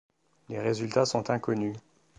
Les résultats sont inconnus.